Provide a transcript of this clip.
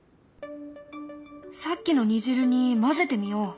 さっきの煮汁に混ぜてみよう。